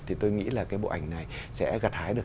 thì tôi nghĩ là cái bộ ảnh này sẽ gặt hái được